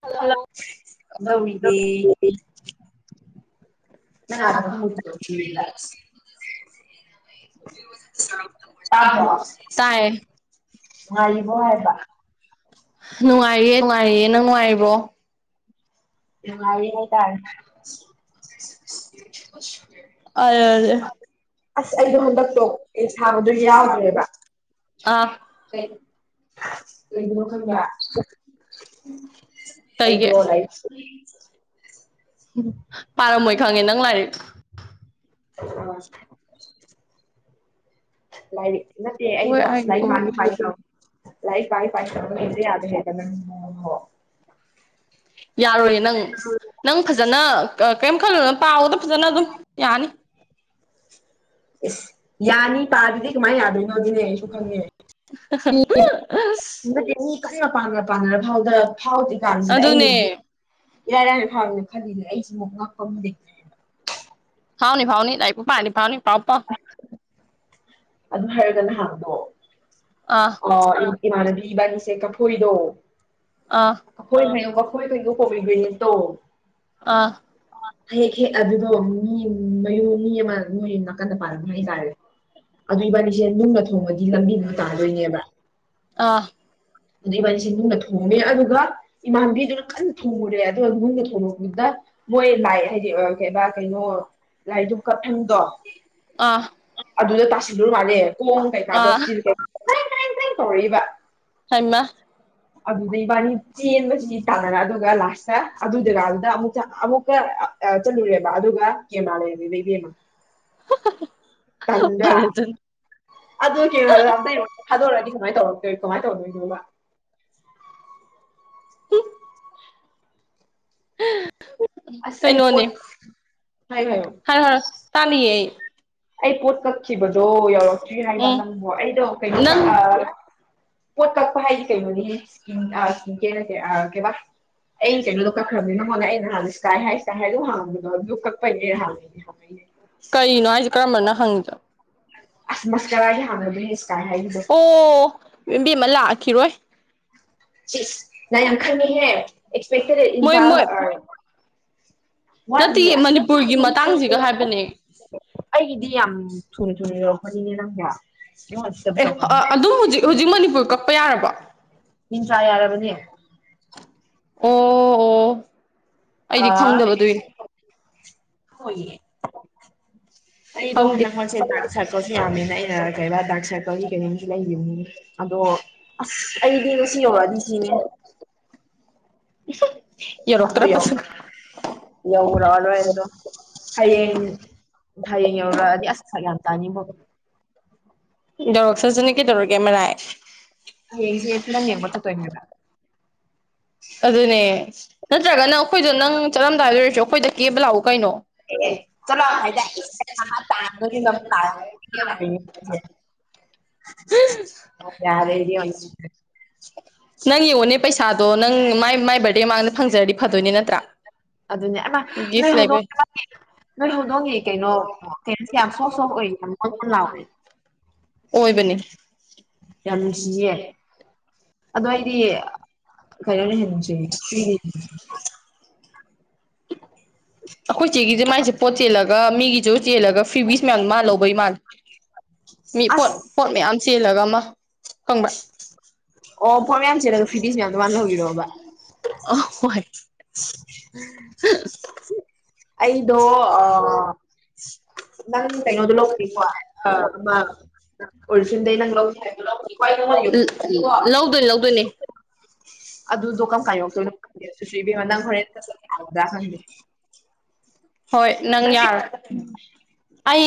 ꯍꯜꯂꯣꯗꯧꯃꯤꯗꯤ ꯍꯜꯂꯛꯗꯧꯔꯤ ꯅꯪ ꯑꯥꯗ ꯈꯣꯡꯎꯞ ꯍ ꯀꯥꯏꯥꯏ ꯉꯕ ꯍꯥꯏꯕ ꯅꯨꯡꯉꯥꯏꯔꯤꯌꯦ ꯅꯨꯡꯉꯥꯏꯔꯤꯌꯦ ꯅꯪ ꯅꯨꯡꯉꯥꯏꯔꯤꯕ꯭ꯔꯣ ꯎꯅꯨꯡꯉꯥꯏ ꯍꯥꯏ ꯇꯔ ꯁ ꯑꯁ ꯑꯩꯗꯣ ꯍꯟꯗꯛꯇꯣ ꯑꯦꯛ ꯑꯦ ꯊꯥꯕꯗꯣ ꯌꯥꯎꯗ꯭ꯔꯦꯕ ꯑ ꯀꯩꯩꯅꯕꯣ ꯈ ꯈꯪꯕ꯭ꯔꯥ ꯇꯩꯒ ꯑꯩꯗꯣ ꯂꯥꯏꯔꯤꯛ ꯎ ꯄꯥꯔꯝꯃꯣꯏ ꯈꯪꯉꯦ ꯅꯪ ꯂꯥꯏꯔꯤꯛ [unintelligible] ꯅꯦꯁ ꯍꯣꯏ ꯂꯐ ꯍꯥꯏꯒꯦꯀꯣ ꯂꯥꯏ ꯐꯥꯏ ꯄꯥꯏꯇꯧꯦ ꯌꯥꯦ [inaudible] ꯌꯥꯔꯣꯏꯌꯦ ꯅꯪ ꯅꯪ ꯐꯖꯅ ꯀꯔꯤꯝ ꯈꯜꯂ ꯄꯥꯎꯕꯗ ꯐꯖꯅ ꯑꯗꯨꯝ ꯌꯥꯅꯤ ꯑꯦ ꯌꯥꯅꯤ ꯄꯥꯔꯤꯗꯤ ꯀꯃꯥꯏꯅ ꯌꯥꯗꯣꯏꯅꯣ ꯑꯗꯨꯅꯦ ꯑꯩꯁꯨ ꯈꯪꯉꯦ ꯀꯔꯤ ꯃꯄꯥꯟ ꯄꯥꯟꯅꯔ ꯐꯥꯎꯗ ꯐꯥꯎꯗꯦ ꯀꯥꯟꯁꯤꯗ ꯑꯩꯅꯁꯤꯗꯤ ꯑꯗꯨꯅꯦ ꯏꯔꯥꯏ ꯂꯥꯏꯅ ꯐꯥꯕꯅ ꯈꯜꯂꯤꯗꯅ ꯑꯩꯁꯤ ꯑꯃꯨꯛ ꯉꯛꯄꯝꯗ ꯐꯥꯎꯅꯤ ꯐꯥꯎꯅꯤ ꯇꯥꯏ ꯄꯄ ꯄꯥꯅꯤ ꯐꯥꯎꯅꯤ ꯄꯥꯎ ꯄꯥꯎ ꯑꯗꯨ ꯍꯥꯏꯔꯒ ꯅꯍꯥꯟꯗꯣ ꯑꯥ ꯑ ꯏꯗꯤ ꯃꯥꯗꯤꯕꯅꯤꯁꯦ ꯀ ꯐꯣꯏꯗꯣ ꯑꯥ ꯑꯩꯈꯣꯏ ꯀꯌꯣ ꯃꯈꯈꯣꯏ ꯀꯩꯩꯅꯣ ꯀꯣꯕꯤꯒ꯭ꯔꯤꯟ ꯅꯠꯇꯣ ꯑꯥ ꯍꯦꯛ ꯍꯦꯛ ꯑꯗꯨꯗꯣ ꯃꯤ ꯃꯌꯨꯝ ꯃꯤ ꯑꯃ ꯃꯤꯑꯣ ꯅꯥꯀꯟꯗ ꯄꯥꯜꯔꯝꯕ ꯍꯥꯏꯇꯥꯔꯦ ꯑꯗꯨꯏ ꯏꯕꯥꯅꯤꯁꯦ ꯅꯨꯡꯅ ꯊꯣꯡꯉꯒꯤ ꯂꯝꯕꯤꯗꯨꯣ ꯇꯥꯗꯣꯏꯅꯦꯕ ꯑꯥ ꯑꯗꯨ ꯏꯕꯥꯅꯤꯁꯤꯦ ꯅꯨꯡꯅ ꯊꯣꯡꯉꯝꯃꯦ ꯑꯗꯨꯒ ꯏꯃꯥꯟꯕꯤꯗꯨꯅ ꯀꯟꯅ ꯊꯣꯡꯉꯨꯔꯦ ꯑꯗꯨꯒ ꯅꯨꯡꯅ ꯊꯣꯡꯉꯕꯗ ꯃꯣꯏ ꯂꯥꯏ ꯍꯥꯏꯗꯤ ꯀ ꯀꯩꯅꯣ ꯂꯥꯏꯗꯨ ꯀꯞꯍꯟꯗꯣ ꯑ ꯑꯗꯨꯗ ꯇꯥꯁꯤꯜꯂꯨꯔꯨ ꯃꯥꯜꯂꯦ ꯀꯣꯟꯣꯟ ꯑꯥ ꯀꯩꯀꯥꯗꯣꯇꯤꯜꯩ ꯇꯧꯔꯛꯏꯕ ꯍꯃ [inaudible] ꯑꯗꯨꯗ ꯏꯕꯥꯅꯤ ꯆꯦꯟꯕꯁꯤꯗꯤ ꯇꯥꯟꯅꯔ ꯑꯗꯨꯒ ꯂꯥꯁꯇ ꯑꯗꯨꯗꯨꯀꯗꯨꯗ ꯑꯃꯨꯛꯛꯇ ꯑꯃꯨꯛꯀ ꯆꯠꯂꯨꯔꯦꯕ ꯑꯗꯨꯒ ꯀꯦꯝ ꯃꯥꯂꯦꯕ ꯕꯕꯤꯦꯝꯃ [inaudible] ꯇꯗ꯭ꯔ ꯐꯔꯦ ꯑꯗꯨꯅ ꯑꯗꯣ ꯀꯩꯅꯣ ꯍꯥꯏ ꯑꯝ ꯊꯗꯣꯔꯛꯑꯗꯤ ꯀꯃꯥꯏ ꯇꯧꯔꯛꯇꯣꯏ ꯀꯃꯥꯏꯅ ꯇꯧꯗꯣꯏꯅꯣꯕ ꯎꯝ ꯎ ꯑꯁ ꯑꯩ ꯀꯩꯅꯣꯅꯦ ꯄꯣꯠ ꯍꯥꯏꯌꯣ ꯍꯥꯏꯌꯣ ꯍꯥꯏꯔꯣ ꯍꯥꯏꯔꯣ ꯇꯥꯜꯂꯤꯌꯦ ꯑꯩ ꯑꯩ ꯄꯣꯠ ꯀꯛꯈꯤꯕꯗꯣ ꯌꯧꯔꯛꯇ꯭ꯔꯤ ꯍꯥꯏꯕ ꯎꯝ ꯅꯪꯕꯨꯣ ꯑꯩꯗꯣ ꯀꯩꯅꯣ ꯅꯪ ꯄꯣꯠ ꯀꯛꯄ ꯍꯥꯏꯗꯤ ꯀꯩꯅꯣꯗꯤ ꯀꯦꯁꯦ ꯀꯦ ꯑꯩꯩꯅ ꯀꯩꯅꯣꯗꯣ ꯀꯛꯈ꯭ꯔꯕꯅꯤ ꯅꯉꯣꯟꯗ ꯑꯩꯅ ꯍꯥꯟ ꯏꯁ ꯀꯀꯥꯏ ꯍꯥꯏ ꯏꯁꯀꯥꯏ ꯍꯥꯏꯗꯣ ꯍꯥꯡꯕꯗꯣ ꯑꯗꯨ ꯀꯛꯄꯒꯤꯅꯦꯅ ꯍꯥꯟꯦ ꯍꯥꯏ ꯀꯔꯤꯅꯣ ꯍꯥꯏꯁꯦ ꯀꯔꯝꯕꯅ ꯍꯪꯉꯤꯣ ꯑꯁ ꯃꯁꯀꯔꯥꯏꯒꯦꯅ ꯏꯁꯀꯥꯏ ꯑꯣ ꯌꯦꯝꯕꯤ ꯑꯃ ꯂꯥꯛꯑꯈꯤꯔꯣꯏ ꯅ ꯌꯥꯝ ꯈꯔꯃꯤ ꯍ ꯑꯦꯛꯁꯄꯦꯛꯇꯦ ꯏ ꯃꯣꯏ ꯃꯣꯏ ꯋꯥ ꯅꯠꯇꯦꯌꯦ ꯑ ꯃꯅꯤꯄꯨꯔꯒꯤ ꯃꯅꯤ ꯀ ꯃꯇꯥꯡꯁꯤꯒ ꯍꯥꯏꯕꯅꯦ ꯑꯩꯒꯤꯗꯤ ꯌꯥꯝ ꯊꯨꯅ ꯊꯨꯅ ꯌꯧꯔꯛꯄꯅꯤꯅꯦ ꯅꯪꯅꯦ ꯑꯦ ꯑꯗꯨꯣ ꯍꯧꯖꯤꯛ ꯍꯧꯖꯤꯛ ꯃꯅꯤꯄꯨꯔ ꯀꯛꯄ ꯌꯥꯔꯕꯣ ꯤꯟꯁ꯭ꯔꯥ ꯌꯥꯔꯕꯅꯦ ꯑꯣ ꯑꯣ ꯑꯩꯗꯤ ꯑꯥ ꯈꯪꯗꯕ ꯑꯗꯨꯏꯅꯦ [inaudible] ꯑꯩꯗꯣ ꯈꯪꯗꯦ ꯍꯟꯗꯛ ꯍꯟꯁꯦ ꯗꯥꯛ ꯁꯔꯀꯜꯁꯨ ꯌꯥꯝꯃꯦꯅ ꯑꯩꯅ ꯀꯩ ꯗꯥꯛ ꯁꯔꯀꯜꯒꯤ ꯀꯩꯅꯣꯝꯨ ꯂꯩꯈꯤꯕ ꯑꯗꯣ ꯑꯁ ꯑꯩꯗꯤ ꯉ ꯁꯤ ꯌꯧꯔꯛꯑꯗꯤ ꯁꯤꯅꯦ ꯌꯥꯔꯣ ꯇꯔ ꯄꯁ ꯌꯧꯧꯕꯔꯛꯔꯣꯏ ꯍꯥꯏꯔꯣ ꯍꯌꯦꯡꯅꯦ ꯍꯌꯦꯡ ꯌꯧꯔꯒꯑꯗꯤ ꯑꯁ ꯈꯥ ꯌꯥꯝ ꯇꯥꯅꯤꯕ ꯌꯧꯔꯛ ꯁꯔꯖꯅ ꯀꯩꯗꯧꯔꯛꯒꯦ ꯃꯔꯥꯏ ꯌꯦꯡꯁꯤꯦꯠ ꯅꯪ ꯌꯦꯡ ꯃ ꯇꯉꯦꯡꯗꯅ ꯑꯗꯨꯅꯦ ꯅꯠꯇ꯭ꯔꯒꯅ ꯑꯩꯈꯣꯏꯗꯣ ꯅꯪ ꯆꯠꯂꯝꯗꯥꯏꯗꯣꯔꯁꯨ ꯑꯩꯈꯣꯏꯗ ꯀꯦꯕ ꯂꯥꯛꯎ ꯀꯩꯅꯣ ꯆꯠꯂꯣ ꯍꯥꯏꯗ ꯇꯥꯡꯒꯅꯤꯅ ꯌꯥꯔꯦ ꯥꯛ ꯏꯕꯦꯝꯃ ꯅꯪ ꯌꯦꯡꯉꯣꯅꯦ ꯄꯩꯁꯥꯗꯣ ꯅꯪ ꯃꯥꯏ ꯃꯥꯏ ꯕꯔꯗꯦ ꯃꯃꯥꯡꯗ ꯐꯪꯖꯔꯗꯤ ꯐꯗꯣꯏꯅꯤ ꯅꯠꯇ꯭ꯔꯥ ꯑꯗꯨꯅꯦ ꯅꯣꯏ ꯒꯤꯐ ꯍꯧꯗꯣꯛ ꯂꯩꯕꯩ ꯅꯣꯏ ꯍꯧꯗꯣꯡꯏ ꯀꯩꯅꯣ ꯀꯩꯅꯣꯁꯦ ꯌꯥꯝ ꯁꯣꯛ ꯁꯣꯛꯑꯣꯏ ꯌꯥꯝ ꯉꯥꯎ ꯂꯥꯎꯏ ꯑꯣꯏꯕꯅꯦ ꯌꯥꯝꯃꯤꯁꯤꯌꯦꯦ ꯑꯗꯣ ꯑꯩꯗꯤ ꯀꯩꯅꯣꯅ ꯍꯦꯟꯁ ꯑꯩꯈꯣꯏ ꯏꯆꯦꯒꯤꯁꯦ ꯃꯥꯏꯁꯦ ꯄꯣꯠ ꯆꯦꯜꯂꯒ ꯃꯤꯒꯤꯁꯨ ꯆꯦꯜꯂꯒ ꯐ꯭ꯤ ꯕꯤꯤꯁ ꯃꯌꯥꯝꯗ ꯃꯥꯜ ꯂꯧꯕꯩ ꯃꯥꯜꯂꯦ ꯃꯤ ꯄꯣꯠ ꯑꯁ ꯄꯣꯠ ꯃꯌꯥꯝ ꯆꯦꯜꯂꯒ ꯑꯃ ꯀꯪꯕ꯭ꯔꯥ ꯑꯣ ꯄꯣꯏ ꯃꯌꯥꯝ ꯆꯦꯜꯂꯒ ꯐꯤꯇꯤꯁ ꯃꯌꯥꯝꯗꯣ ꯃꯥꯅ ꯂꯧꯕꯤꯔꯛꯕ ꯑ ꯍꯣꯏ ꯑꯩꯗꯣ ꯑ ꯅꯪ [unintelligible] ꯀꯩꯅꯣꯗꯣ ꯂꯧꯗ꯭ꯔꯤ ꯑꯃ ꯅꯪꯀꯣ ꯎꯟꯁꯤꯟ ꯑꯣꯔꯤꯐꯤꯟꯗꯩ ꯅꯪ ꯅꯪꯕ ꯂꯧ [unintelligible] [unintelligible] ꯂꯧꯗꯣꯏꯅꯦ ꯂꯧꯗꯣꯏꯅꯦ ꯑꯗꯨꯗꯣ ꯀꯔꯝ ꯀꯥꯟ ꯌꯧꯔꯛꯇꯣꯏꯅꯣ ꯈꯪꯗꯦ ꯑꯗꯨꯁꯨ ꯏꯕꯦꯝꯃ ꯅꯪ ꯍꯣꯔꯦꯟ ꯂꯥꯛꯀꯗ꯭ꯔꯥ ꯈꯪꯗꯦ [unintelligible] ꯍꯣꯏ ꯅꯪ ꯌꯥꯔ ꯑꯩ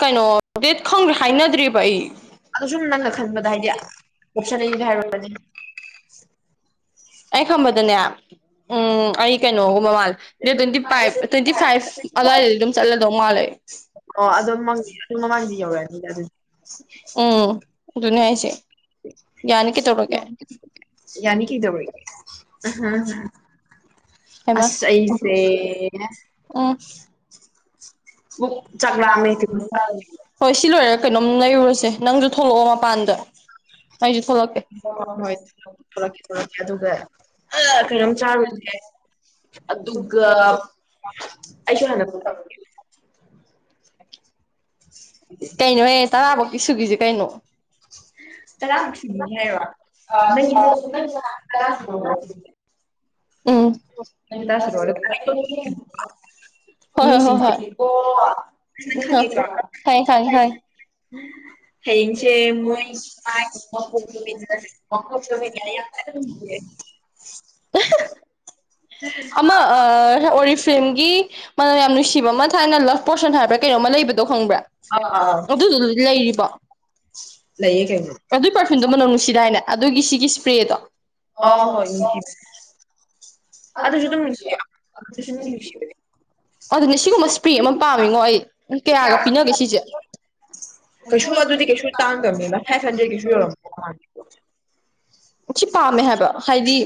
ꯀꯩꯅꯣ ꯗꯦꯠ ꯈꯪꯗ꯭ꯔꯦ ꯍꯥꯏꯅꯗ꯭ꯔꯤꯕ ꯑꯩ ꯑꯗꯣ ꯁꯨꯝ ꯅꯪꯅ ꯈꯟꯕꯗ ꯍꯥꯏꯗꯤ ꯑꯣꯞꯁꯟ ꯑꯅꯤ ꯍꯥꯏꯔꯨꯔꯅꯦ ꯑꯩ ꯈꯝꯕꯗꯅꯦ ꯎꯝ ꯑꯩ ꯀꯩꯅꯣꯒꯨꯝꯕ ꯃꯥꯜꯂꯦ date twenty five twenty five ꯑꯗꯨꯋꯥꯏꯗꯗꯤ ꯑꯗꯨꯝ ꯆꯠꯂꯗꯧ ꯃꯥꯜꯂꯦ ꯑꯣ ꯑꯗꯣ ꯃꯃꯥꯡ ꯃꯃꯥꯡꯗꯤ ꯌꯧꯔꯅꯤ ꯑꯗꯨꯗꯤ ꯎꯝ ꯑꯗꯨꯅꯦ ꯍꯥꯏꯁꯦ ꯌꯥꯅꯤ ꯀꯩꯗꯧꯔꯒꯦ꯫ ꯍꯩꯃ ꯑꯁ ꯑꯩꯁꯦ ꯑ ꯑꯃꯨꯛ ꯆꯥꯛ ꯂꯥꯝꯃꯦ [unintelligible] ꯁꯤ ꯂꯣꯢꯔꯒ ꯀꯩꯅꯣꯝ ꯂꯩꯔꯨꯔꯁꯦ ꯅꯪꯁꯨ ꯊꯣꯛꯂꯛꯑꯣ ꯃꯄꯥꯟꯗ ꯑꯩꯁꯨ ꯊꯣꯛꯂꯛꯀꯦ ꯍꯣꯏ ꯊꯣꯛꯂꯛꯀꯦ ꯊꯣꯛꯂꯛꯀꯦ ꯑꯗꯨꯒ ꯀꯩꯅꯣꯝ ꯆꯥꯔꯨꯁꯦ ꯑꯗꯨꯒ ꯑꯩꯁꯨ ꯍꯟꯅ ꯀꯩꯅꯣꯍꯦ ꯇꯔꯥꯐꯧꯀꯤ ꯁꯨꯒꯤꯁꯦ ꯀꯩꯅꯣ ꯇꯔꯥꯃꯨꯛ ꯇꯥꯁ ꯁꯨꯕꯤꯒꯦ ꯍꯥꯏꯔꯣ ꯅꯪꯒꯤ [unintelligible] ꯎꯝ ꯇꯔꯥ [unintelligible] ꯁꯨꯗꯣꯔꯦ ꯍꯣꯏ ꯍꯣꯏ ꯍꯣꯏ ꯃꯤꯁꯤꯡꯁꯦ ꯅꯪ ꯍꯣꯏ [unintelligible] ꯈꯪꯉꯦ ꯈꯪꯉꯤꯀꯣ ꯈꯪꯉꯦ ꯈꯪꯉꯦ ꯍꯌꯦꯡꯁꯦ ꯃꯣꯢ ꯃꯄꯣꯛ ꯅꯨꯃꯤꯠ [unintelligible] ꯑꯃ ꯑ꯫ ꯄꯣꯔꯤꯐ꯭ꯂꯝꯒꯤ ꯃꯥꯅꯝ ꯌꯥꯝ ꯅꯨꯡꯁꯤꯕ ꯑꯃ ꯊꯥꯏꯅ ꯂꯕ ꯄꯣꯔꯁꯟ ꯍꯥꯏꯕ꯭ꯔꯥ ꯀꯩꯅꯣꯝꯃ ꯂꯩꯕꯗꯣ ꯈꯪꯕ꯭ꯔꯥ ꯑꯥ ꯑꯗꯨꯗꯨꯗꯤ ꯂꯩꯔꯤꯕꯣ ꯂꯩꯌꯦ ꯂꯩꯔꯤ ꯀꯩꯅꯣ ꯑꯗꯨꯏ ꯄꯔꯐ꯭ꯌꯨꯝꯗꯣ ꯃꯅꯝ ꯅꯨꯡꯁꯤꯗꯥꯢꯅꯦ ꯑꯗꯨꯒꯤ ꯁꯤꯒꯤ ꯏꯁ꯭ꯄ꯭ꯔꯦꯗꯣ ꯑ ꯍꯣꯏ ꯑꯗꯨ ꯑꯗꯨꯁꯨ ꯑꯗꯨꯝ ꯑꯗꯨꯣ ꯌꯥ ꯑꯗꯨꯁꯨ ꯑꯗꯨꯝ [unintelligible] ꯅꯨꯡꯁꯤꯕꯅꯦ ꯑꯗꯨꯅꯦ ꯁꯤꯒꯨꯝꯕ ꯏꯁꯄ꯭ꯔꯦ ꯑꯃ ꯄꯥꯝꯃꯤꯉꯣ ꯑꯩ ꯀꯌꯥꯒ ꯄꯤꯅꯒꯦ ꯁꯤꯁꯦ ꯀꯩꯁꯨ ꯑꯗꯨꯗꯤ ꯀꯩꯁꯨ ꯇꯥꯡꯗꯕꯅꯤꯗ ꯐꯥꯢꯞ ꯍꯟꯗꯔꯦꯠ ꯀꯩꯁꯨ ꯌꯧꯔꯝ꯫ ꯁꯤ ꯄꯥꯝꯃꯦ ꯍꯥꯏꯕ ꯍꯥꯏꯗꯤ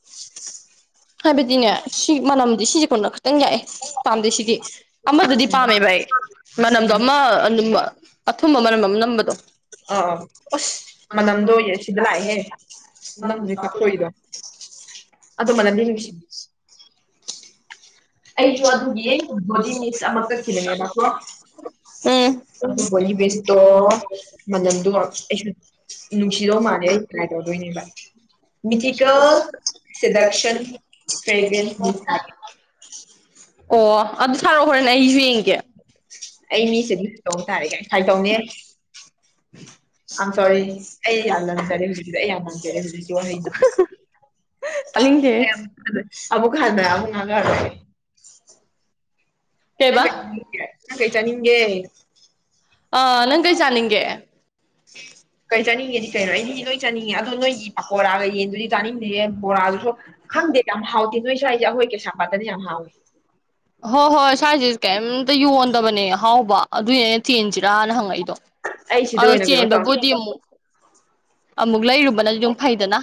[unintelligible] ꯍꯥꯏꯕꯗꯤꯅꯦ ꯁꯤ ꯃꯅꯝꯗꯤ ꯁꯤꯁꯦ ꯀꯣꯟꯅ ꯈꯤꯇꯪ ꯌꯥꯛꯑꯦ ꯄꯥꯝꯗꯦ ꯁꯤꯗꯤ ꯑꯃꯗꯨꯗꯤ ꯄꯥꯝꯃꯦ ꯚꯥ ꯑꯩ ꯃꯅꯝꯗꯣ ꯑꯥ ꯑꯃ ꯑꯗꯨꯝ ꯑꯊꯨꯝꯕ ꯃꯔꯝ ꯑꯃ ꯅꯝꯕꯗꯣ ꯑ ꯑꯁ ꯃꯅꯝꯗꯣ ꯑꯣꯏꯌꯦ ꯁꯤꯗ ꯂꯥꯛꯑꯦꯍꯦ ꯅꯪꯁꯤ ꯀꯄꯣꯏꯗ ꯑꯗꯣ ꯃꯅꯝꯗꯤ ꯅꯨꯡꯁꯤ [inaudible] ꯑꯩꯁꯨ ꯑꯗꯨꯒꯤ ꯕꯣꯗꯤ ꯃꯤꯁ ꯑꯃ [unintelligible] ꯀꯛꯈꯤꯕꯅꯦꯕꯀꯣ ꯑꯗꯨ ꯕꯣꯗꯤ ꯎꯝ ꯃꯤꯁꯇꯣ ꯃꯅꯝꯗꯣ ꯑꯩꯁꯨ [unintelligible] ꯅꯨꯡꯁꯤꯗꯧ ꯃꯥꯜꯂꯦ ꯑꯩ ꯇ꯭ꯔꯥꯏ ꯇꯧꯗꯣꯏꯅꯦꯕ ꯃꯤꯊꯤꯀꯦꯜ [unintelligible] ꯁꯦꯗꯛꯁꯟ ꯐ꯭ꯔꯦꯒ꯭ꯔꯦꯟꯁ ꯃꯤꯁ ꯍꯥꯏꯌꯦ [unintelligible] ꯑꯣ ꯑꯗꯨ ꯁꯥꯔꯛꯑꯣ ꯍꯣꯔꯦꯟꯅꯦ ꯑꯩꯁꯨ ꯌꯦꯡꯒꯦ ꯑꯩ ꯃꯤꯁꯤꯗꯤ ꯀꯗꯧ ꯇꯥꯔꯦ ꯀꯥꯏ ꯗꯧꯅꯦ [inaudible] ꯑ ꯑꯩ ꯌꯥꯝ ꯂꯝꯖꯔꯦ ꯍꯧꯖꯤꯛꯀꯤꯗꯣ ꯑꯩ ꯌꯥꯝ ꯂꯝꯖꯔꯦ ꯍꯧꯖꯤꯛꯀꯤ ꯋꯥꯍꯩꯗꯣ [unintelligible] ꯑꯂꯤꯖꯦ ꯑꯃꯨꯛ ꯍꯟꯅ ꯑꯃꯨꯛ ꯉꯥꯡꯉꯥꯔꯣꯢ ꯀꯩꯕ ꯆꯉ ꯀꯩꯇ ꯅꯤꯡꯦ ꯑꯥ ꯅꯪ ꯀꯩ ꯆꯥꯅꯤꯡꯒꯦ ꯀꯩ ꯆꯥꯅꯤꯡꯉꯦꯗꯤ ꯀꯩꯅꯣ ꯑꯩꯅꯗꯤ ꯅꯣꯏ ꯆꯅꯤꯡꯉꯦ ꯑꯗꯣ ꯅꯣꯏꯒꯤ ꯄꯥꯀꯣꯔꯥꯒ ꯌꯦꯟꯗꯨꯗꯤ ꯆꯥꯅꯤꯡꯗꯦ ꯕꯣꯔꯥꯁꯨꯁꯨ ꯈꯪꯗꯦ ꯌꯥꯝ ꯍꯥꯎꯇꯦ ꯅꯣꯏꯁꯨꯋꯥ ꯑꯩꯁꯦ ꯑꯩꯈꯣꯏ ꯀꯩꯁꯥꯝꯄꯥꯠꯇꯅ ꯌꯥꯝ ꯍꯥꯎꯏꯦ ꯍꯣꯏ ꯍꯣꯏ ꯁ꯭ꯋꯥꯏꯁꯤ ꯀꯩꯝꯇ ꯌꯣꯟꯗꯕꯅꯦ ꯑꯍꯥꯎꯕ ꯑꯗꯨꯏꯅꯦꯅ ꯇꯦꯟꯁꯤꯔꯥꯅ ꯍꯪꯉꯛꯏꯗꯣ ꯑꯩ ꯁꯤꯗ ꯑꯗꯣ ꯑꯣꯏꯅ ꯀꯩꯅꯣ ꯇꯧꯔꯦ ꯆꯦꯟꯕꯕꯨꯗꯤ ꯑꯃꯨꯛ ꯑꯃꯨꯛ ꯂꯩꯔꯨꯕꯅꯗꯤ ꯑꯗꯨꯝ ꯐꯩꯗꯅ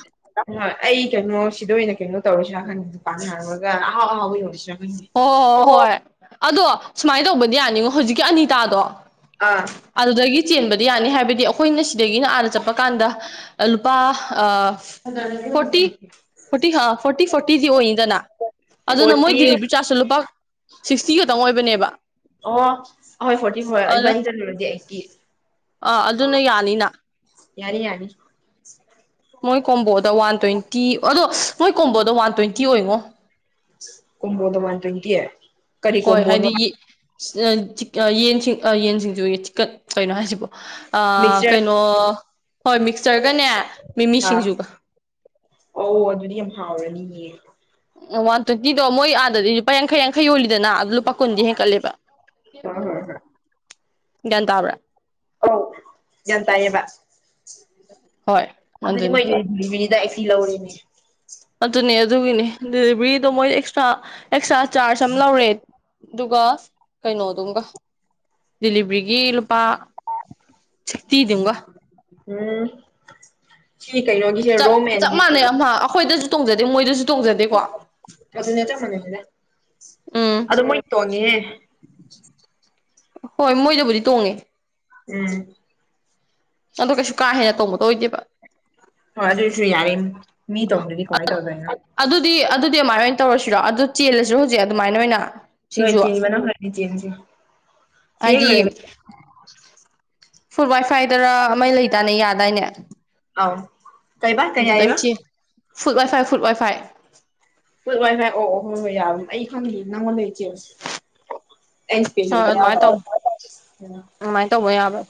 ꯍꯣꯏ ꯑꯩ ꯀꯩꯅꯣ ꯁꯤꯗ ꯑꯣꯏꯅ ꯀꯩꯅꯣ ꯇꯧꯔꯤꯁꯤꯥ ꯍꯪꯉ ꯄꯥꯥꯟꯅ ꯍꯥꯡꯉꯒ ꯑꯍꯥꯎ ꯑꯍꯥꯎꯕ ꯑꯣꯏꯔꯣꯔꯤꯁꯤꯔ ꯑꯣꯣ ꯍ ꯍꯣꯏ ꯑꯗꯣ ꯁꯨꯃꯥꯏꯅ ꯇꯧꯕꯗꯤ ꯌꯥꯅꯤꯉꯣ ꯍꯧꯖꯤꯛꯀꯤ ꯑꯅꯤꯇꯥꯗꯣ ꯑꯥ ꯑꯗꯨꯗꯒꯤ ꯆꯦꯟꯕꯗꯤ ꯌꯥꯅꯤ ꯍꯥꯏꯕꯗꯤ ꯑꯩꯈꯣꯏꯅ ꯁꯤꯗꯒꯤꯅ ꯍꯥꯟꯅ ꯆꯠꯄ ꯀꯥꯟꯗ ꯂꯨꯄꯥ ꯑ ꯐꯣꯔꯇꯤ ꯐꯣꯔꯇꯤ ꯐꯣꯔꯇꯤ ꯐꯣꯔꯇꯤꯗꯤ ꯑꯣꯏꯅꯤꯗꯅ ꯑꯗꯨꯅ ꯃꯣꯏ ꯐꯣꯔꯇꯤ ꯗꯤꯂꯤꯕꯔꯤ ꯆꯥꯁꯨ ꯂꯨꯄꯥ ꯁꯤꯛꯁꯇꯤꯒꯇꯪ ꯑꯣꯏꯕꯅꯦꯕ ꯑꯣ ꯑꯍꯣꯏ ꯐꯣꯔꯇꯤ ꯑꯗꯨꯅ ꯐꯣꯔꯕꯥꯅꯤ ꯆꯂꯨꯔꯒꯦ ꯑꯩꯒꯤ ꯑꯥ ꯑꯗꯨꯅ ꯌꯥꯅꯤꯅ ꯌꯥꯔ ꯌꯥꯅꯤ ꯃꯣꯏ ꯀꯣꯝꯕꯣꯗ ꯋꯥꯟ ꯇ꯭ꯋꯦꯟꯇꯤ ꯑꯗꯣ ꯃꯣꯏ ꯀꯣꯝꯕꯣꯗ ꯋꯥꯟ ꯇ꯭ꯋꯦꯟꯇꯤ ꯑꯣꯏꯉꯣ ꯀꯨꯝꯃꯣꯗꯃꯥꯟ ꯇ꯭ꯋꯦꯟꯇꯤꯑꯦ ꯍꯣꯏ ꯍꯥꯏꯗꯤ ꯌꯦꯟꯁꯤꯡ ꯌꯦꯟꯁꯤꯡꯁꯨ ꯆꯤꯛꯀꯠ ꯀꯩꯅꯣ ꯍꯥꯏꯁꯤꯕꯣ ꯃꯤꯛꯆꯔ ꯀꯩꯅꯣ ꯍꯣꯏ ꯃꯤꯛꯆꯔꯒꯅꯦ ꯃꯤꯃꯤ ꯁꯤꯡꯖꯨꯒ ꯑꯣ ꯑꯗꯨꯗꯤ ꯌꯥꯝ ꯍꯥꯎꯔꯅꯤꯌꯦ ꯑꯣ ꯋꯥꯟ ꯇꯥꯋꯦꯟꯇꯤꯗꯣ ꯃꯣꯏ ꯑꯥꯗꯗꯤ ꯂꯨꯄꯥ ꯌꯥꯡꯈꯩ ꯌꯥꯡꯈꯩ ꯌꯣꯜꯂꯤꯗꯅ ꯑꯗꯨ ꯂꯨꯄꯥ ꯀꯨꯟꯗꯤ ꯍꯦꯟꯀꯠꯂꯦꯕ ꯍꯣꯏ ꯍꯣꯏ ꯍꯣꯏ ꯇꯥꯕ꯭ꯔꯥ ꯑꯧ ꯒ꯭ꯌꯥꯟ ꯇꯥꯏꯌꯦꯕ ꯍꯣꯏ ꯑꯗꯨꯗꯤ ꯑꯗꯨꯅꯤ ꯃꯣꯏꯗ ꯗꯦꯂꯤꯅꯤꯗ ꯑꯩ ꯐꯤ ꯂꯧꯔꯦꯅꯦ ꯑꯗꯨꯅꯦ ꯑꯗꯨꯒꯤꯅꯦ ꯗꯦꯂꯤꯚꯔꯤꯗꯣ ꯃꯣꯏ ꯑꯦꯛꯁꯇ꯭ꯔꯥ ꯑꯦꯛꯁꯇ꯭ꯔꯥ ꯆꯥꯔꯖ ꯑꯃ ꯂꯧꯔꯦ ꯑꯗꯨꯒ ꯀꯩꯅꯣꯗꯨꯝꯒ ꯗꯤꯂꯤꯚꯔꯤꯒꯤ ꯂꯨꯄꯥ ꯛꯇꯤꯗꯕ ꯎꯝ ꯁꯤ ꯀꯩꯅꯣꯒꯤ ꯆꯞ ꯆꯞ ꯃꯥꯟꯅꯩ ꯑꯃ ꯑꯩꯈꯣꯏꯗꯁꯨ ꯇꯣꯡꯖꯗꯦ ꯃꯣꯏꯗꯁꯨ ꯇꯣꯡꯖꯗꯦꯀꯣ ꯑꯗꯨ ꯅꯠꯇ ꯃꯅꯦꯗ ꯎꯝ ꯑꯗ ꯃꯔꯤ ꯇꯣꯅꯤ ꯍꯣꯏ ꯃꯣꯏꯗꯕꯨꯗꯤ ꯇꯣꯡꯉꯦ ꯎꯝ ꯑꯣ ꯀꯩꯁꯨ ꯀꯥ ꯍꯦꯟꯅ ꯇꯧꯕꯒꯗꯣ ꯑꯣꯏꯗꯦꯕ ꯍꯣꯏ ꯑꯗꯨꯁꯨ ꯌꯥꯔꯦ ꯃꯤ ꯇꯣꯡꯗꯤ ꯀꯋꯥꯦ ꯇꯧꯔꯕ ꯑꯗꯨꯗꯤ ꯑꯗꯨꯗꯤ ꯑꯗꯨꯃꯥꯏꯅ ꯑꯣꯏꯅ ꯇꯧꯔꯁꯤꯔꯣ ꯑꯗꯨ ꯆꯦꯜꯂꯁꯤꯔ ꯍꯧꯖꯤꯛ ꯑꯗꯨꯃꯥꯏꯅ ꯑꯣꯏꯅ ꯍ ꯍꯣꯏ ꯁꯤꯡꯖꯨ ꯆꯦꯟ ꯃꯅꯝ ꯍꯥꯏꯅꯤ ꯆꯦꯟꯁꯦ ꯁꯤ ꯍꯦꯛ ꯍꯥꯏꯗꯤ ꯂꯣꯏꯔꯒ ꯐꯨꯜ ꯋꯥꯏ ꯐꯥꯏꯗꯔ ꯃꯩ ꯂꯩꯇꯥꯅꯦ ꯌꯥꯗꯥꯏꯅꯦ ꯑꯧ ꯀꯩꯕꯥ ꯀꯩ ꯑꯗꯨ ꯂꯣꯏ ꯍꯥꯏꯕ ꯆꯤ ꯐꯨꯠ ꯋꯥꯏꯐꯥꯏ ꯐꯨꯠ ꯋꯥꯏꯐꯥꯏ ꯐꯠ ꯋꯥꯏ ꯐꯥꯏ ꯑꯣ ꯑꯣ ꯍꯣꯏ ꯍꯣꯏ ꯌꯥꯕ ꯑꯩ ꯈꯪꯗꯦ ꯅꯪꯉꯣꯟꯗ ꯏꯆꯦꯕ ꯑꯦꯁꯄꯤꯁ ꯍꯣꯏ ꯑꯗꯨꯃꯥꯏꯅ ꯇꯧ ꯑꯗꯨꯃꯥꯏꯅ ꯇꯧꯕ ꯌꯥꯕꯅꯦ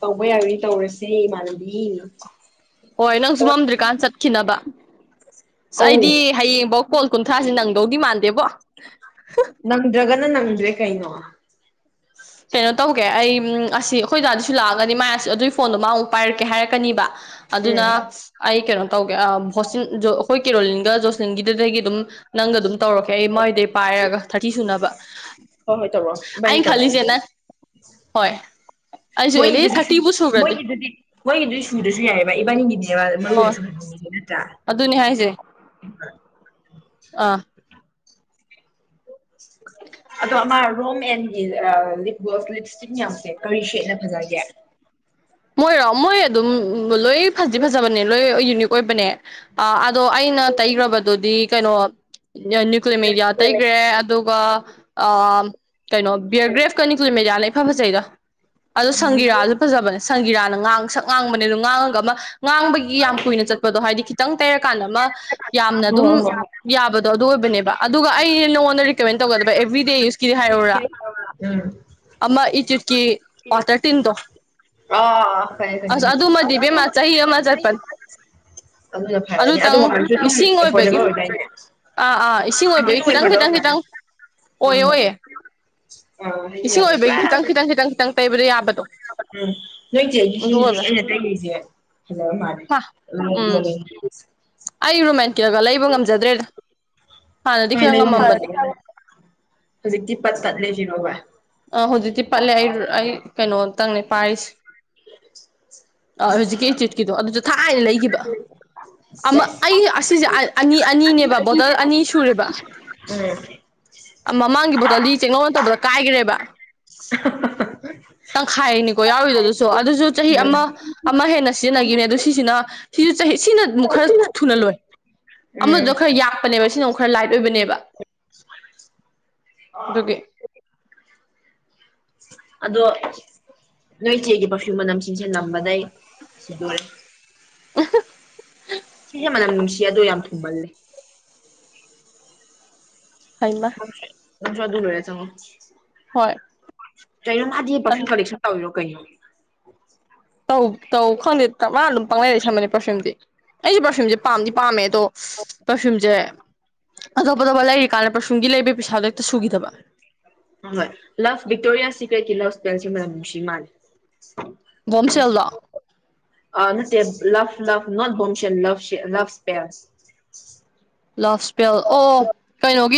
ꯇꯧꯕ ꯌꯥꯏꯅꯤ ꯇꯧꯔꯁꯦ ꯏꯃꯥꯟꯅꯕꯤ ꯍꯣꯏ ꯅꯪꯁꯨ ꯃꯝꯗ꯭ꯔꯤꯀꯥꯟ ꯆꯠꯈꯤꯅꯕ ꯑ ꯑꯩꯗꯤ ꯑꯧ ꯍꯌꯦꯡꯐꯧ ꯀꯣꯜ ꯀꯨꯟꯊ꯭ꯔꯥꯥꯁꯦ ꯅꯪꯗꯧꯗꯤ ꯃꯥꯟꯗꯦꯕꯣ ꯅꯪꯗ꯭ꯔꯒꯅ ꯅꯪꯗ꯭ꯔꯦ ꯀꯩꯅꯣ ꯀꯩꯅꯣ ꯇꯧꯒꯦ ꯑꯩ ꯑꯁꯤ ꯑꯩꯈꯣꯏ ꯗꯥꯗꯤꯁꯨ ꯂꯥꯛꯑꯒꯗꯤ ꯃꯥ ꯑꯗꯨꯒꯤ ꯐꯣꯟꯗꯣ ꯃꯥ ꯑꯃꯨꯛ ꯄꯥꯏꯔꯛꯀꯦ ꯍꯥꯏꯔꯛꯀꯅꯤꯕ ꯑꯗꯨꯅ ꯎꯝ ꯑꯩ ꯀꯩꯅꯣ ꯇꯧꯒꯦ ꯚꯣꯁꯤꯟ ꯑꯩꯈꯣꯏ ꯀꯦꯔꯣꯂꯤꯟꯒ ꯖꯣꯁꯟꯒꯤꯗꯨꯗꯒꯤ ꯑꯗꯨꯝ ꯅꯪꯒ ꯑꯗꯨꯝ ꯇꯧꯔꯛꯀꯦ ꯑꯩ ꯃꯣꯏꯗꯩ ꯄꯥꯏꯔꯒ ꯊꯥꯔꯇꯤ ꯁꯨꯅꯕ ꯍꯣꯏ ꯍꯣꯏ ꯇꯧꯔꯛꯑꯣ ꯏꯕꯅꯤ ꯑꯩꯅ ꯈꯜꯂꯤꯁꯦ ꯇꯧꯅꯔꯁꯦ ꯅꯪ ꯍꯣꯏ ꯑꯩꯁꯨ ꯑꯦꯠꯂꯤꯁ ꯃꯣꯏꯗꯨꯗꯤ ꯁꯨ ꯊꯥꯔꯇꯤꯕꯨ ꯁꯨꯈ꯭ꯔꯗꯤ ꯃꯣꯏꯒꯤꯗꯨꯗꯤ ꯃꯣꯏꯒꯤꯗꯨ ꯁꯨꯗ꯭ꯔꯁꯨ ꯌꯥꯏꯕ ꯏꯕꯥꯅꯤꯒꯤꯅꯦꯕ ꯃꯔꯨ ꯑꯣꯏꯅꯁꯨ [unintelligible] ꯅꯠꯇ꯭ꯔꯥ ꯑꯗꯨꯅꯤ ꯍꯥꯏꯁꯦ ꯑꯥ ꯑꯗꯣ ꯑꯃ ꯔꯣꯝ ꯑꯦꯟꯒꯤ ꯂꯤꯞ ꯒ꯭ꯂꯣꯁ ꯂꯤꯞ ꯏꯁꯇꯤꯛ ꯃꯌꯥꯝꯁꯦ ꯀꯔꯤ ꯁꯦꯠꯅ ꯐꯖꯒꯦ ꯃꯣꯏꯔꯣ ꯃꯣꯏ ꯑꯗꯨꯝ ꯂꯣꯏ ꯐꯖꯤ ꯐꯖꯕꯅꯦ ꯂꯣꯏ ꯌꯨꯅꯤꯛ ꯑꯣꯏꯕꯅꯦ ꯑꯥ ꯑꯗꯣ ꯑꯩꯅ ꯇꯩꯒ꯭ꯔꯕꯗꯨꯗꯤ ꯀꯩꯅꯣ ꯅ꯭ꯌꯨꯀ꯭ꯂꯤ ꯃꯦꯗꯤꯌꯥ ꯇꯩꯒ꯭ꯔꯦ ꯑꯗꯨꯒꯥ ꯑꯥ ꯀꯩꯅꯣ ꯕꯤꯌꯔꯒ꯭ꯔꯦꯐꯀꯥꯅꯤ ꯒꯂꯤꯝ ꯃꯦꯗꯤꯌꯥꯅ ꯏꯐꯥ ꯐꯖꯩꯗꯥ ꯑꯗꯣ ꯎꯝ ꯁꯪꯒꯤꯔꯥꯁꯨ ꯐꯖꯕꯅꯦ ꯁꯪꯒꯤꯔꯥꯅ ꯉꯥꯡꯁꯛ ꯉꯥꯡꯕꯅꯦ ꯑꯗꯨ ꯉꯥꯡꯉꯒꯥ ꯑꯃ ꯉꯥꯡꯕꯒꯤ ꯌꯥꯝ ꯀꯨꯏꯅ ꯆꯠꯄꯗꯣ ꯍꯥꯏꯗꯤ ꯈꯤꯇꯪ ꯇꯩꯔꯀꯥꯟꯗꯥ ꯑꯃ ꯌꯥꯝꯅ ꯍꯣ ꯑꯗꯨꯝ ꯍꯣ ꯌꯥꯕꯗꯣ ꯑꯗꯨ ꯑꯣꯏꯕꯅꯦꯕ ꯑꯗꯨꯒꯥ ꯑꯩ ꯅꯉꯣꯟꯗꯥ ꯔꯤꯀꯥꯃꯦꯟ ꯇꯧꯒꯥꯗꯕ ꯑꯦꯕ꯭ꯔꯤ ꯗꯦ ꯌꯨꯁ [unintelligible] ꯎꯝ ꯑꯃ ꯏꯆꯤꯠꯀꯤ ꯄꯥꯇꯔ ꯇꯤꯟꯗꯣ ꯑꯁ ꯑꯥ ꯑꯗꯨꯃꯗꯤ ꯏꯕꯦꯝꯃ ꯆꯍꯤ ꯑꯃ ꯆꯠꯄꯅꯤ [unintelligible] ꯑꯗꯨꯅ ꯐꯔꯅꯤ ꯑꯗꯨ ꯑꯗꯨꯇꯪ ꯃꯃꯜꯁꯨ ꯑꯗꯨꯝ ꯏꯁꯤꯡ ꯑꯣꯏꯕꯒꯤ ꯑꯦꯐꯣꯗꯦꯕꯜ ꯑꯣꯏꯗꯥꯏꯅꯦ ꯑꯥ ꯑꯥ ꯏꯁꯤꯡ ꯑꯣꯏꯕꯒꯤ ꯑꯗꯨꯝ ꯈꯤꯇꯪ ꯑꯦꯐꯣꯔꯗꯦꯕꯜ ꯈꯤꯇꯪ ꯃꯥꯜꯂꯦ ꯈꯤꯇꯪ ꯑꯣꯏ ꯍꯣꯏ ꯍꯣꯏ ꯑꯣꯏꯌꯦ ꯑꯥ ꯍꯥꯏꯗꯤ ꯏꯁꯤꯡ ꯌꯥꯝꯅ ꯄꯨꯔꯥ ꯑꯣꯏꯕꯒꯤ ꯈꯤꯇꯪ ꯈꯤꯇꯪ ꯈꯤꯇꯪ ꯈꯤꯇꯪ ꯇꯩꯕꯗꯥ ꯌꯥꯕꯗꯣ ꯎꯝ ꯅꯣꯏꯆꯦꯒꯤ ꯁꯤ ꯑꯗꯨ ꯍꯧꯖꯤꯛ ꯑꯣꯏꯕ ꯑꯩꯅ ꯇꯩꯔꯤꯖꯦ ꯐꯖꯕ ꯃꯥꯜꯂꯦ ꯍꯥ ꯎꯝ [unintelligible] ꯑꯩ ꯔꯣꯃꯦꯟꯀꯦꯜꯒꯥ ꯂꯩꯕ ꯉꯝꯖꯗ꯭ꯔꯦꯗꯥ ꯍꯣꯏ ꯂꯩꯕ [unintelligible] ꯍꯧꯖꯤꯛꯇꯤ ꯄꯠ ꯇꯠꯂꯦ ꯁꯤꯔꯣꯕ ꯑꯥ ꯍꯧꯖꯤꯛꯇꯤ ꯄꯠꯂꯦ ꯑꯩ ꯑꯩ ꯀꯩꯅꯣꯝꯇꯪꯅꯦ ꯄꯥꯏꯔꯤꯁꯦ ꯑꯥ ꯍꯧꯖꯤꯛꯀꯤ ꯏꯆꯤꯠꯀꯤꯗꯣ ꯑꯗꯨꯁꯨ ꯊꯥꯏꯅ ꯂꯩꯒꯤꯕ ꯑꯃ ꯁꯦꯁ ꯑꯩ ꯑꯁꯤꯖꯦ ꯑꯅꯤ ꯑꯅꯤꯅꯦꯕ ꯕꯣꯇꯜ ꯑꯅꯤ ꯁꯨꯔꯦꯕ ꯎꯝ ꯃꯃꯥꯡꯒꯤ ꯕꯣꯠꯇꯜꯂꯤ ꯆꯦꯡꯉꯧꯅ ꯇꯧꯕꯗꯥ ꯀꯥꯏꯒ꯭ꯔꯦꯕ [unintelligible] [unintelligible] ꯇꯪꯈꯥꯏꯅꯤꯀꯣ ꯌꯥꯎꯔꯤꯗꯣ ꯑꯗꯨꯁꯨ ꯑꯗꯨꯖꯨ ꯆꯍꯤ ꯑꯃ ꯑꯃ ꯍꯦꯟꯅ ꯁꯤꯖꯤꯟꯅꯒꯤꯕꯅꯦ ꯑꯗꯨ ꯁꯤꯁꯤꯅ ꯁꯤꯁꯨ ꯆꯍꯤ ꯁꯤꯅ ꯑꯃꯨꯛ ꯈꯔ ꯁꯤꯅ ꯊꯨꯅ ꯂꯣꯏ ꯑꯃꯗꯣ ꯎꯝ ꯈꯔ ꯌꯥꯛꯄꯅꯦꯕ ꯁꯤꯅ ꯑꯃꯨ ꯈꯔ ꯂꯥꯏꯠ ꯑꯣꯏꯕꯅꯦꯕ ꯑꯗꯨꯒꯤ ꯑꯗꯣ ꯅꯣꯏ ꯆꯦꯒꯤ ꯄꯔꯐ꯭ꯌꯨꯝ ꯃꯅꯝꯁꯤꯡꯁꯦ ꯅꯝꯕꯗꯩ ꯁꯤꯗꯣꯔꯦ [unintelligible] ꯁꯤꯁꯦ ꯃꯅꯝ ꯅꯨꯡꯁꯤ ꯑꯗꯨ ꯌꯥꯝ ꯊꯨꯝꯃꯜꯂꯤ ꯍꯥꯏꯃꯥ ꯅꯪꯁꯨ ꯑꯗꯨ ꯂꯣꯏꯔꯦ ꯆꯡꯉꯛꯑꯣ ꯍꯣꯏ ꯀꯩꯅꯣ ꯃꯥꯗꯤ ꯄꯔꯐ꯭ꯌꯨꯝ ꯀꯥꯂꯦꯛꯁꯟ ꯇꯧꯔꯤꯔꯣ ꯀꯩꯅꯣ ꯇꯧ ꯇꯧ ꯈꯪꯗꯦ ꯃꯥꯅ ꯑꯗꯨꯝ ꯄꯡꯂꯩ ꯂꯩꯁꯟꯕꯅꯤ ꯄꯔꯐ꯭ꯌꯨꯝꯗꯤ ꯑꯩꯒꯤ ꯄꯔꯐ꯭ꯌꯨꯝꯖꯦ ꯄꯥꯝꯗꯤ ꯄꯥꯝꯃꯦ ꯑꯗꯣ ꯄꯔꯐ꯭ꯌꯨꯝꯖꯦ ꯑꯇꯣꯞ ꯑꯇꯣꯞꯄ ꯂꯩꯔꯤ ꯀꯥꯟꯗ ꯄꯔꯐꯌ꯭ꯨꯝꯒꯤ ꯂꯩꯕꯒꯤ ꯄꯩꯁꯥꯗꯣ ꯍꯦꯛꯇꯥ ꯁꯨꯒꯤꯗꯕ ꯍꯣꯏ ꯂꯚ ꯕꯤꯛꯇꯣꯔꯤꯌꯥ ꯁꯤꯠꯀꯔꯦꯁꯤ ꯃꯅꯝ ꯅꯨꯡꯁꯤ ꯃꯥꯜꯂꯤ ꯕꯣꯝꯁꯦꯜꯂꯣ ꯑꯥ ꯅꯠꯇꯦ ꯂꯚ ꯂꯚ ꯅꯣꯠ ꯕꯣꯝꯁꯦꯟ ꯂꯚ ꯂꯚ ꯁꯄꯦꯁ ꯂꯚ ꯏꯁꯄꯦꯜ ꯑꯣ ꯀꯩꯅꯣꯒꯤꯗꯣ